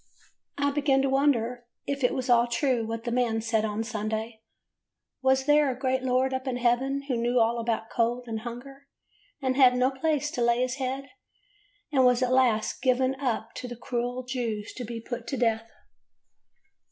I began to wonder if it was all true what the man said on Sunday. Was there a great Lord up in heaven who knew all about cold, and hunger, and had no place to lay his head, and was at last given up to the cruel Jews to be put to death?